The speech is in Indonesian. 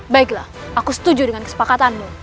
baiklah aku setuju dengan kesepakatanmu